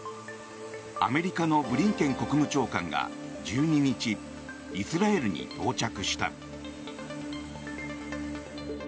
アメリカのブリンケン国務長官が１２日イスラエルに到着した。